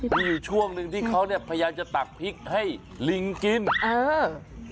มีอยู่ช่วงหนึ่งที่เขาเนี่ยพยายามจะตักพริกให้ลิงกินเออ